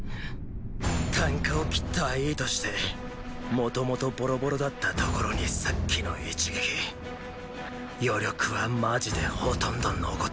啖呵をきったはいいとしてもともとボロボロだったところにさっきの一撃余力はマジでほとんど残ってねェ。